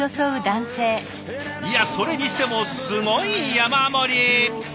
いやそれにしてもすごい山盛り！